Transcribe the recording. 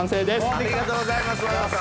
ありがとうございます和田さん。